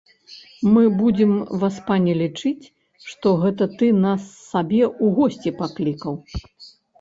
Мы будзем, васпане, лічыць, што гэта ты нас сабе ў госці паклікаў.